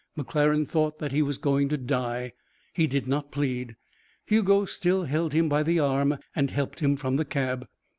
McClaren thought that he was going to die. He did not plead. Hugo still held him by the arm and helped him from the cab.